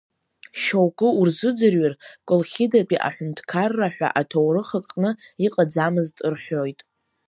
Шьоукы урзыӡырҩыр, Колхидатәи Аҳәынҭқарра ҳәа аҭоурых аҟны иҟаӡамызт рҳәоит.